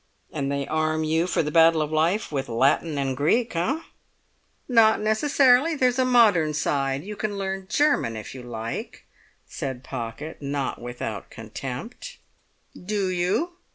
"And they arm you for the battle of life with Latin and Greek, eh?" "Not necessarily; there's a Modern Side. You can learn German if you like!" said Pocket, not without contempt. "Do you?"